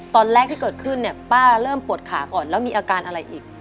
ตอนแรกที่เกิดขึ้นเนี่ยป้าเริ่มปวดขาก่อนแล้วมีอาการอะไรอีก